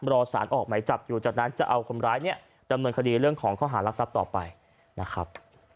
รอสารออกไหมจับอยู่จากนั้นจะเอาคนร้ายเนี่ยดำเนินคดีเรื่องของข้อหารักทรัพย์ต่อไปนะครับ